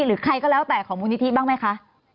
หรือใครก็แล้วแต่ของมูลนิธิบ้างไหมคะ